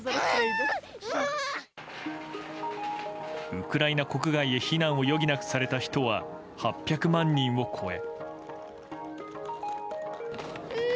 ウクライナ国外へ避難を余儀なくされた人は８００万人を超え。